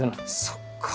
そっか！